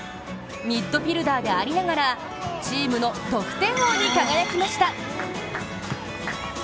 ミッドフィルダーでありながら、チームの得点王に輝きました。